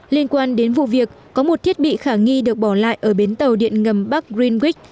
liên quan đến vụ việc có một thiết bị khả nghi được bỏ lại ở bến tàu điện ngầm bắc greenwick